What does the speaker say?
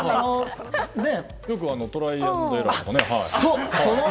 よくトライ＆エラーとかね。